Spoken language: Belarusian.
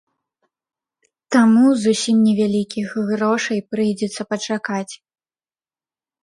Таму зусім невялікіх грошай прыйдзецца пачакаць.